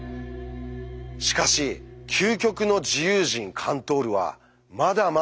しかし究極の自由人カントールはまだ満足しません。